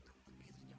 tak pikirnya sudah